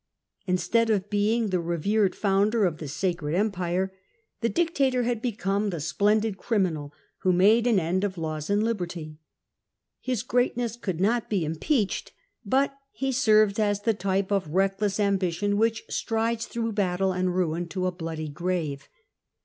Instead of being the revered founder of the sacred empire, the dictator had become the splendid criminal who made an end of laws and liberty. His greatness could not be impeached, but he served as the type of reckless ambition which strides through battle and ruin to a bloody grave.